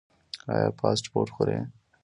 ایا فاسټ فوډ خورئ؟